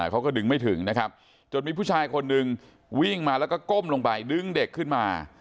เขาก็ดึงไม่ถึงนะครับจนมีผู้ชายคนหนึ่งวิ่งมาแล้วก็ก้มลงไปดึงเด็กขึ้นมา